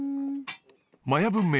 マヤ文明